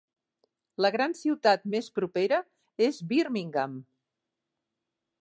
La gran ciutat més propera és Birmingham.